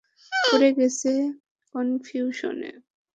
পড়ে গেছি কনফিউশনে?